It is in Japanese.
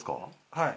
はい。